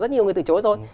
rất nhiều người từ chối rồi